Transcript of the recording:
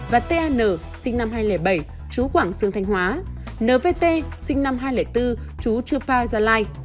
và tan sinh năm hai nghìn bảy chú quảng sơn thanh hóa nvt sinh năm hai nghìn bốn chú chupa gia lai